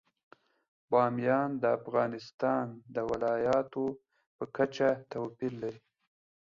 بامیان د افغانستان د ولایاتو په کچه توپیر لري.